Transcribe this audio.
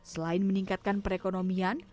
selain meningkatkan perekonomian